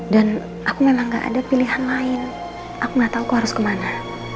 dan aku memang gak ada pilihan lain aku gak tau aku harus kemana